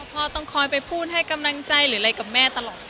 ต้องคอยไปพูดให้กำลังใจหรืออะไรกับแม่ตลอด